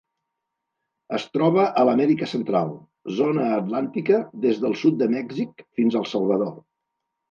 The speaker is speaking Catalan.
Es troba a l'Amèrica Central: zona atlàntica des del sud de Mèxic fins al Salvador.